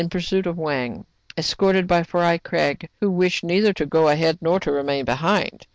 pursuit of Wang, escorted by Fry Craig, who wished neither to go ahead nor to remain behind.